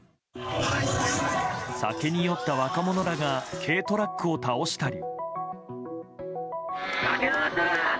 酒に酔った若者らが軽トラックを倒したり。